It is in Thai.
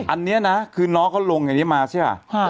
อันนี้นะคือน้องเขาลงอย่างนี้มาใช่ป่ะ